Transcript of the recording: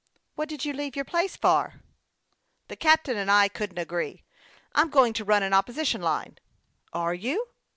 "What did you leave your place for?" " The captain and I couldn't agree. I'm going to run an opposition line." " Are you